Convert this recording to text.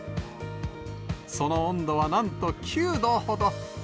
その温度はなんと９度ほど。